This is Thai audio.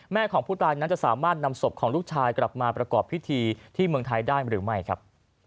ของผู้ตายนั้นจะสามารถนำศพของลูกชายกลับมาประกอบพิธีที่เมืองไทยได้หรือไม่ครับ